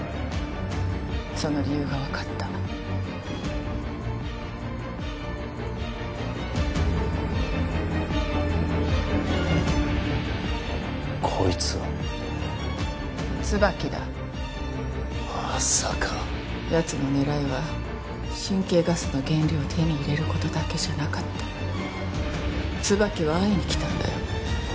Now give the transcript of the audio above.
その理由が分かったこいつはツバキだまさかやつの狙いは神経ガスの原料を手に入れることだけじゃなかったツバキは会いに来たんだよ